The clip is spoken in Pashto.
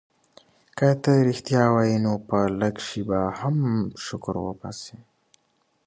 که ته ریښتیا وایې نو په لږ شي به هم شکر وباسې.